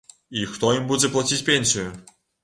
І хто ім будзе плаціць пенсію?